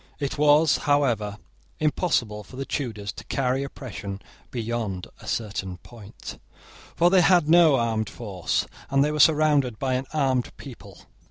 It was, however, impossible for the Tudors to carry oppression beyond a certain point: for they had no armed force, and they were surrounded by an armed people.